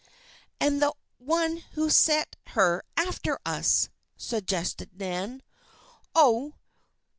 "And the one who set her after us," suggested Nan. "Oh!